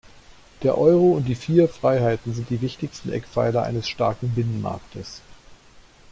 Der Euro und die vier Freiheiten sind die wichtigsten Eckpfeiler eines starken Binnenmarktes.